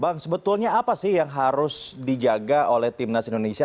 bang sebetulnya apa sih yang harus dijaga oleh timnas indonesia